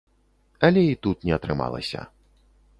Але і тут не атрымалася.